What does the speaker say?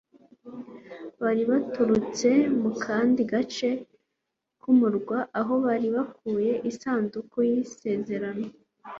bari baturutse mu kandi gace k'umurwa, aho bari bakuye isanduku y'isezerano